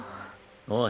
おい。